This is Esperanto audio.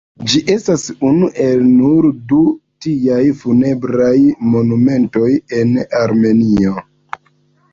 Ĝi estas unu el nur du tiaj funebraj monumentoj en Armenio.